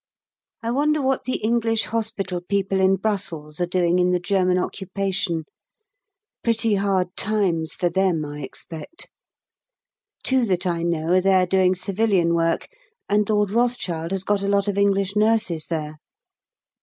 I wonder what the English hospital people in Brussels are doing in the German occupation, pretty hard times for them, I expect. Two that I know are there doing civilian work, and Lord Rothschild has got a lot of English nurses there.